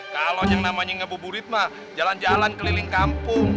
kalau yang namanya ngebuburit mah jalan jalan keliling kampung